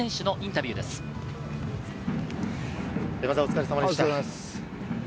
まずはお疲れさまでした。